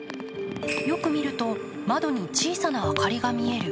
よく見ると、窓に小さな明かりが見える。